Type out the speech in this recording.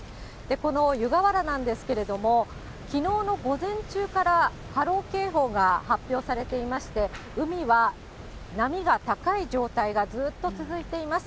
この湯河原なんですけれども、きのうの午前中から波浪警報が発表されていまして、海は波が高い状態が、ずっと続いています。